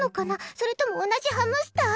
それとも同じハムスター？